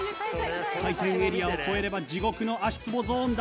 回転エリアを越えれば地獄の足つぼゾーンだ。